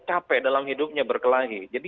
capek dalam hidupnya berkelahi jadi